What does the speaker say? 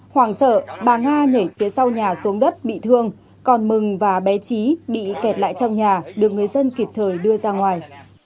hoàng sợ bà nga nhảy phía sau nhà xuống đất bị thương còn mừng và bé trí bị kẹt lại trong nhà được người dân kịp thời đưa ra ngoài